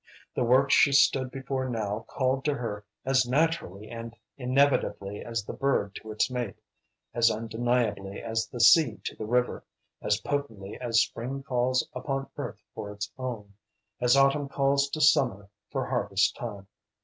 The work she stood before now called to her as naturally and inevitably as the bird to its mate, as undeniably as the sea to the river, as potently as spring calls upon earth for its own, as autumn calls to summer for harvest time.